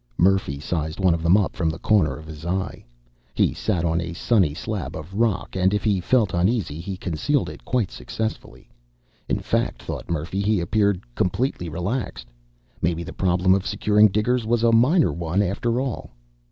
Murphy sized one of them up from the corner of his eye. He sat on a sunny slab of rock, and if he felt uneasy he concealed it quite successfully. In fact, thought Murphy, he appeared completely relaxed. Maybe the problem of securing diggers was a minor one after all....